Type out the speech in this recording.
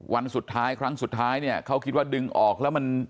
วันสุดท้ายครั้งสุดท้ายเนี่ยเขาคิดว่าดึงออกแล้วมัน